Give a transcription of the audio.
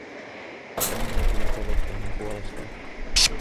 Että minua kyllä pelotti hänen puolestaan!